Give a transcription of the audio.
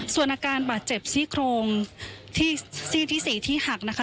ส่วนอาการบาดเจ็บซี่โครงที่ซี่ที่๔ที่หักนะคะ